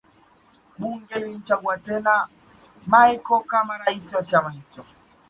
Bunge lilimchagua tena Machel kama Rais wa chama hicho